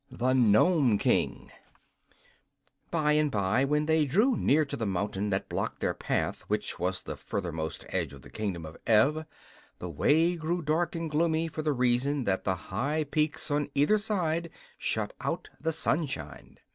The Nome King By and by, when they drew near to the mountain that blocked their path and which was the furthermost edge of the Kingdom of Ev, the way grew dark and gloomy for the reason that the high peaks on either side shut out the sunshine.